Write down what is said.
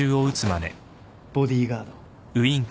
ボディーガード。